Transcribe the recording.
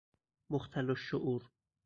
مختل الشعور